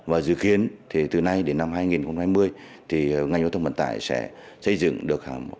và dự kiến thì từ nay đến năm hai nghìn hai mươi thì ngành giao thông vận tải sẽ xây dựng được